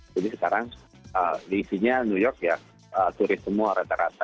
jadi sekarang di isinya new york ya turis semua rata rata